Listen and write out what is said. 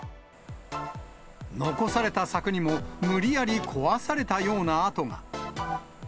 残された柵にも、無理やり壊されたような跡が。